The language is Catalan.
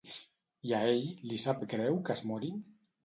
I a ell, li sap greu que es morin?